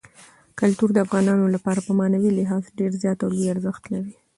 کلتور د افغانانو لپاره په معنوي لحاظ ډېر زیات او لوی ارزښت لري.